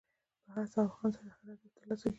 په هڅه او هاند سره هر هدف ترلاسه کېږي.